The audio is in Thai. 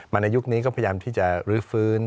ในยุคนี้ก็พยายามที่จะรื้อฟื้น